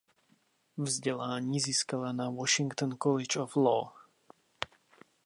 Vzdělání získala na Washington College of Law.